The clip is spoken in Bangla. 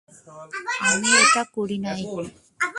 আমি এটা করি নাই।